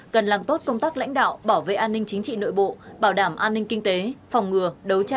cần làm tốt công tác lãnh đạo bảo vệ an ninh chính trị nội bộ bảo đảm an ninh kinh tế phòng ngừa đấu tranh